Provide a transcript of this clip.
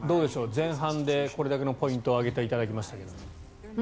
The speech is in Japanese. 前半でこれだけのポイントを挙げていただきましたが。